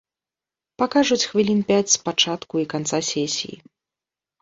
Пакажуць хвілін пяць з пачатку і канца сесіі.